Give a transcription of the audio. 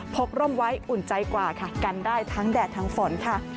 กร่มไว้อุ่นใจกว่าค่ะกันได้ทั้งแดดทั้งฝนค่ะ